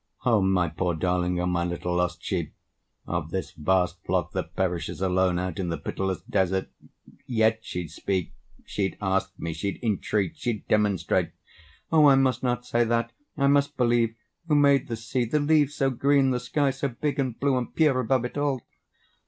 O my poor darling, O my little lost sheep Of this vast flock that perishes alone Out in the pitiless desert!—Yet she'd speak: She'd ask me: she'd entreat: she'd demonstrate. O I must not say that! I must believe! Who made the sea, the leaves so green, the sky So big and blue and pure above it all?